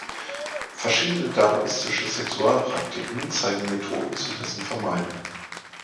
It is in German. Verschiedene daoistische Sexualpraktiken zeigen Methoden zu dessen Vermeidung.